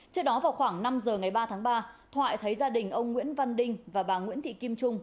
trước đó vào khoảng năm giờ ngày ba tháng ba thoại thấy gia đình ông nguyễn văn đinh và bà nguyễn thị kim trung